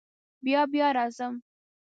بیا بیا راځم.